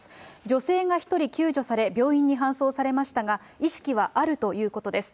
女性が１人、病院に搬送されましたが、意識はあるということです。